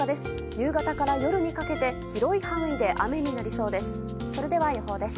夕方から夜にかけて広い範囲で雨になりそうです。